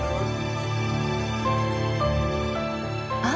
あ！